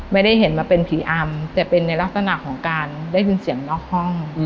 ไม่ได้เห็นมาเป็นผีอำแต่เป็นในลักษณะของการได้ยินเสียงนอกห้อง